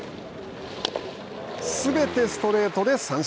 すべてストレートで三振。